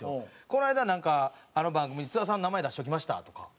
この間なんか「あの番組で津田さんの名前出しときました」とか。